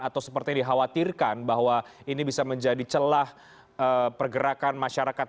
atau seperti dikhawatirkan bahwa ini bisa menjadi celah pergerakan masyarakat